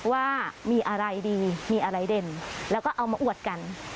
ว่ามีอะไรดีมีอะไรเด่นแล้วก็เอามาอวดกัน